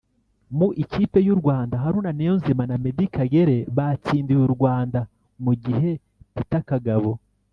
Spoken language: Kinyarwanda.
Mu ikipe y’u Rwanda Haruna Niyonzima na Meddie Kagere batsindiye u Rwanda mu gihe Peter Kagabo